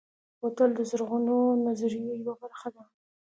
بوتل د زرغونو نظریو یوه برخه ده.